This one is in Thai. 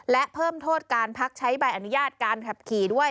และเพิ่มโทษการพักใช้ใบอนุญาตการขับขี่ด้วย